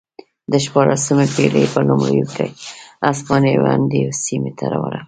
د شپاړسمې پېړۍ په لومړیو کې هسپانویان دې سیمې ته ورغلل